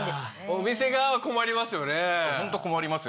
お店側は困りますよね。